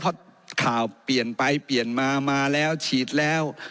เพราะข่าวเปลี่ยนไปเปลี่ยนมามาแล้วฉีดแล้ว